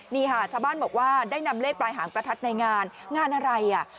นี่ค่ะชาวบ้านบอกว่าได้นำเลขปลายหางประทัดในงานงานอะไรอ่ะ